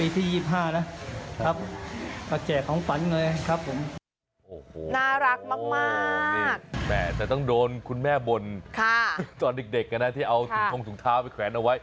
ตอนเด็กนะที่เอาถุงถุงท้าไปแขวนเอาไว้